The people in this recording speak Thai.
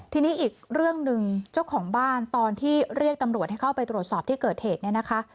ทีนี้อีกเรื่องหนึ่งเจ้าของบ้านตอนที่เรียกตำรวจให้เข้าไปตรวจสอบที่เกิดเหตุเนี่ยนะคะ